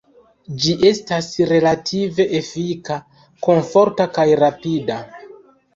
Ĝi estas relative efika, komforta kaj rapida.